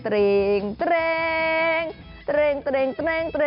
ปีภาษ